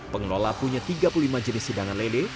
pengelola punya tiga puluh lima jenis hidangan lele